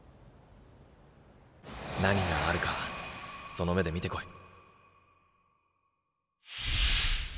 何があるかその目で見てこい。